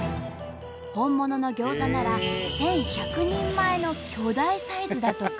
本物のギョーザなら１，１００人前の巨大サイズだとか。